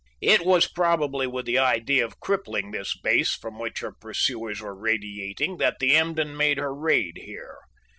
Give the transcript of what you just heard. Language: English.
It was probably with the idea of crippling this base, from which her pursuers were radiating, that the Emden made her raid here.